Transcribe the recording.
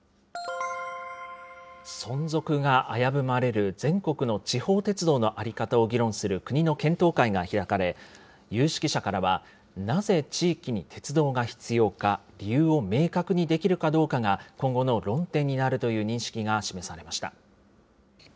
存続が危ぶまれる全国の地方鉄道の在り方を議論する国の検討会が開かれ、有識者からは、なぜ地域に鉄道が必要か、理由を明確にできるかどうかが、今後の論点になるという認識が示されました。